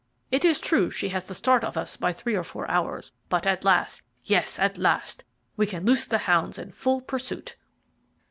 It is true she has the start of us by three or four hours; but at last yes, at last we can loose the hounds in full pursuit."